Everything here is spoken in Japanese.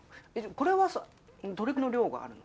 これはさどれくらいの量があるの？